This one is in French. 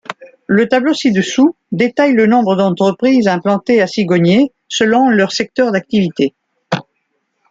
Le tableau ci-dessous détaille le nombre d'entreprises implantées à Cigogné selon leur secteur d'activité.